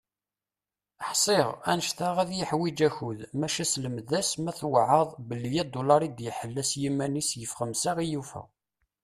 Ḥsiɣ, annect-a ad yiḥwiǧ akud, maca selmed-as, ma tweɛɛaḍ, belli adulaṛ i d-iḥella s yiman-is yif xemsa i yufa.